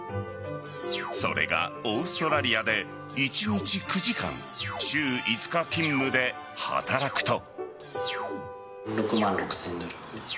それがオーストラリアで一日９時間週５日勤務で働くと。